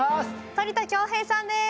反田恭平さんです